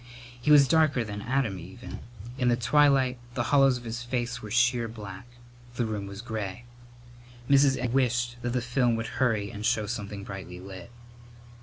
He was darker than Adam even. In the twilight the hollows of his face were sheer black. The room was gray. Mrs. Egg wished that the film would hurry and show something brightly lit.